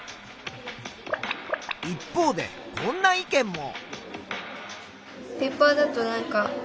一方でこんな意見も。